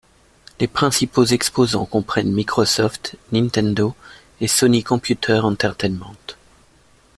Les principaux exposants comprennent Microsoft, Nintendo, et Sony Computer Entertainment.